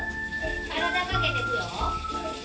体かけていくよ。